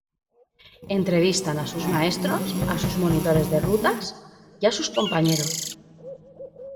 Entrevistan a sus maestros, a sus monitores de rutas y a sus compañeros.